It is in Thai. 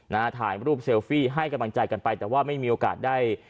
นะฮะถ่ายรูปเซลฟี่ให้กำลังใจกันไปแต่ว่าไม่มีโอกาสได้